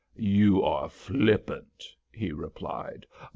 "You are flippant," he replied.